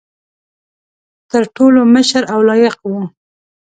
تر ټولو مشر او لایق وو.